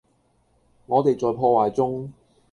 我地在破壞中